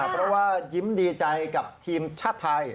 เพราะว่ายิ้มดีใจกับทีมชาติไทย